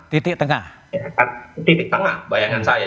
titik tengah bayangan saya